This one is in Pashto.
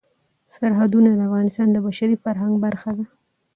سرحدونه د افغانستان د بشري فرهنګ برخه ده.